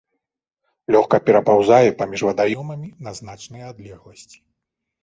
Лёгка перапаўзае паміж вадаёмамі на значныя адлегласці.